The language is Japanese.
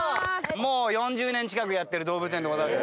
もう４０年近くやってる動物園でございます。